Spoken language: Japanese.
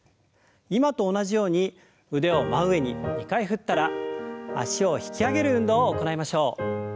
今と同じように腕を真上に２回振ったら脚を引き上げる運動を行いましょう。